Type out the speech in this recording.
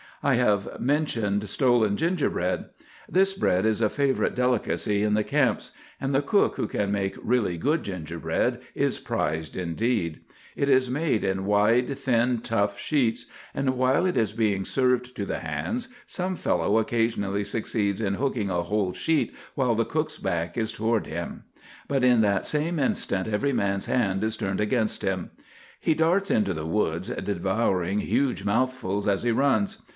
"I have mentioned stolen gingerbread. This bread is a favorite delicacy in the camps; and the cook who can make really good gingerbread is prized indeed. It is made in wide, thin, tough sheets; and while it is being served to the hands, some fellow occasionally succeeds in 'hooking' a whole sheet while the cook's back is toward him. But in that same instant every man's hand is turned against him. He darts into the woods, devouring huge mouthfuls as he runs.